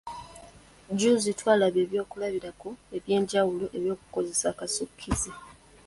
Jjuuzi twalaba ebyokulabirako eby’enjawulo eby'okukozesa akasukkize.